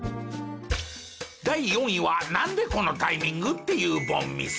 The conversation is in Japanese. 第４位はなんでこのタイミング？っていう凡ミス。